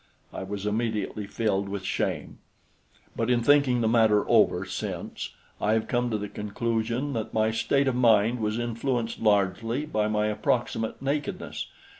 I was immediately filled with shame; but in thinking the matter over since, I have come to the conclusion that my state of mind was influenced largely by my approximate nakedness.